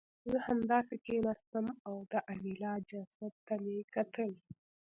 زه همداسې کېناستم او د انیلا جسد ته مې کتل